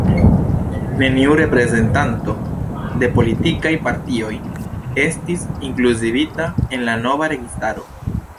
Neniu reprezentanto de politikaj partioj estis inkluzivita en la nova registaro.